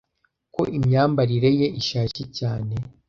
ko imyambarire ye ishaje cyane